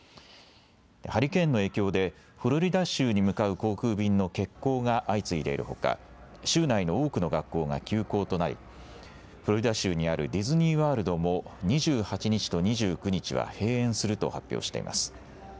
ハリケーンの影響で、フロリダ州に向かう航空便の欠航が相次いでいるほか、州内の多くの学校が休校となり、フロリダ州にあるディズニーワールドも、２８日と２９日は閉園すると発表しています。